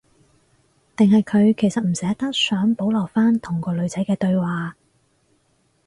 定係佢其實唔捨得，想保留返同個女仔嘅對話